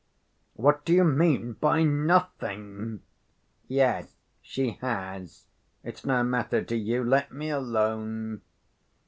"What do you mean by 'nothing'?" "Yes, she has. It's no matter to you. Let me alone."